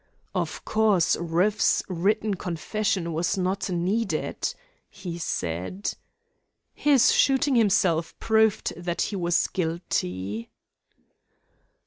"Of course, Rueff's written confession was not needed," he said. "His shooting himself proved that he was guilty."